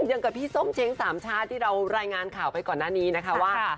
อย่างกับพี่ส้มเช้งสามชาติที่เรารายงานข่าวไปก่อนหน้านี้นะคะว่า